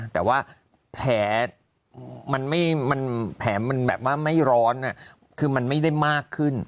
แต่ว่าแผลมันแผลมันแบบว่าไม่ร้อนคือมันไม่ได้มากขึ้น